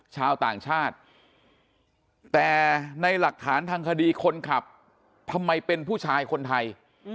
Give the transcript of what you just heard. ชาวต่างชาติแต่ในหลักฐานทางคดีคนขับทำไมเป็นผู้ชายคนไทย